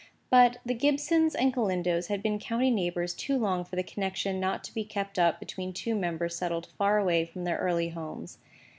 But the Gibsons and Galindos had been county neighbours too long for the connection not to be kept up between two members settled far away from their early homes.